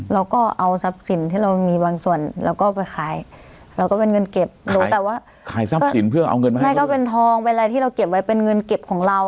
แล้วก็เอาทรัพย์สินที่เรามีบางส่วนแล้วก็ไปขายเราก็เป็นเงินเก็บ